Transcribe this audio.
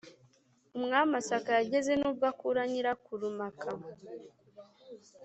Umwami asak yageze n ubwo akura nyirakuru maka